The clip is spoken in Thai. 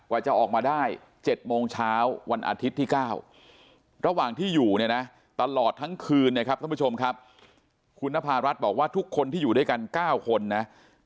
จะออกมาได้๗โมงเช้าวันอาทิตย์ที่๙ระหว่างที่อยู่เนี่ยนะตลอดทั้งคืนเนี่ยครับท่านผู้ชมครับคุณนภารัฐบอกว่าทุกคนที่อยู่ด้วยกัน๙คนนะ